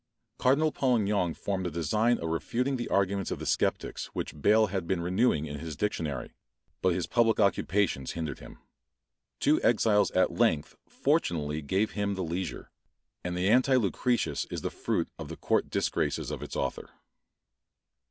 Cardinal Polignac formed the design of refuting the arguments of the sceptics which Bayle had been renewing in his dictionary; but his public occupations hindered him. Two exiles at length fortunately gave him the leisure; and the Anti Lucretius is the fruit of the court disgraces of its author.